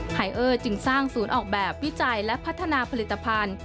ไอเออร์จึงสร้างศูนย์ออกแบบวิจัยและพัฒนาผลิตภัณฑ์